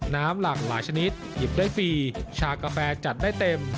หลั่งหลายชนิดหยิบได้ฟรีชากาแฟจัดได้เต็ม